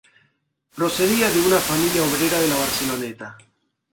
Procedía de una familia obrera de la Barceloneta.